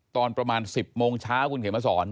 ตอนประมาณ๑๐โมงเช้าคุณเขียนมาสอน